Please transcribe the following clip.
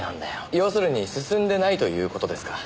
要するに進んでないという事ですか。